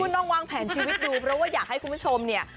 ลองวางแผนชีวิตดูเพราะว่าอยากให้คุณผู้ชมเนี่ย